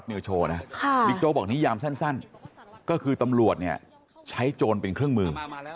บิ๊กโจ๊กบอกนี้หยามสั้นก็คือตำรวจใช้จนเป็นเครื่องมือ